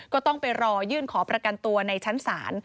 ก็ต้องไปรอยื่นขอประกันตัวในชั้นศาล